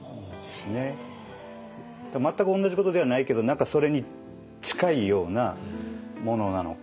全く同じことではないけど何かそれに近いようなものなのかなっていう。